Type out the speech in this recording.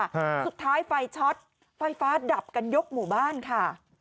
สุดท้ายไฟช็อตไฟฟ้าดับกันยกหมู่บ้านค่ะ